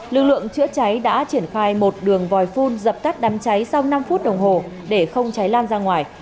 lực lượng chữa cháy đã triển khai một đường vòi phun dập tắt đám cháy sau năm phút đồng hồ để không cháy lan ra ngoài